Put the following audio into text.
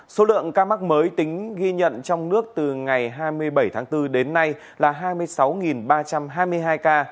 số lượng ca mắc mới tính ghi nhận trong nước từ ngày hai mươi bảy tháng bốn đến nay là hai mươi sáu ba trăm hai mươi hai ca